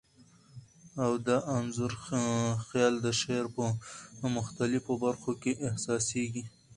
او د انځور خیال د شعر په مختلفو بر خو کي احسا سیږی.